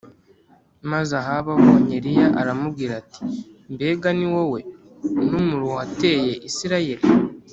Maze Ahabu abonye Eliya aramubwira ati “Mbega ni wowe n’umuruho wateye Isirayeli?”